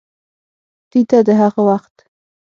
دوې ته دَ هغه وخت